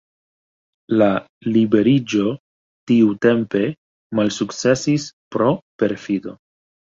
La liberiĝo tiutempe malsukcesis pro perfido.